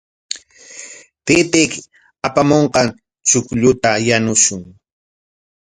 Taytayki apamunqan chuqlluta yanushun.